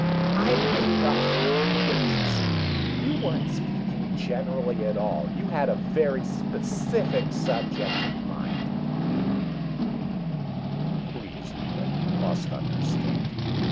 "I'm being a fool," she said. "You weren't speaking generally at all! You had a very specific subject in mind. Namely me!" "Please, Lea, you must understand...."